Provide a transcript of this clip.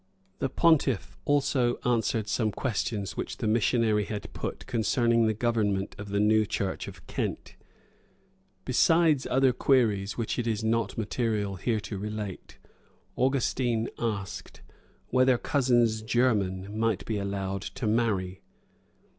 Concil, 785] The pontiff also answered some questions, which the missionary had put concerning the government of the new church of Kent. Besides other queries, which it is not material here to relate, Augustine asked, "Whether cousins german might be allowed to marry."